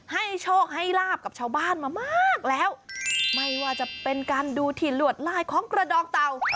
ให้โชคให้ลาบกับชาวบ้านมามากแล้วไม่ว่าจะเป็นการดูที่หลวดลายของกระดอกเต่า